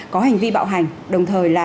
có hành vi bạo hành đồng thời là